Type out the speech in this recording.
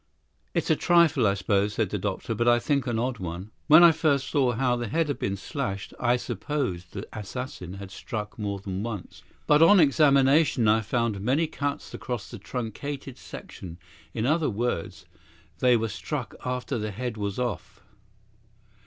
"Is a trifle, I suppose," said the doctor, "but I think an odd one. When I first saw how the head had been slashed, I supposed the assassin had struck more than once. But on examination I found many cuts across the truncated section; in other words, they were struck after the head was off.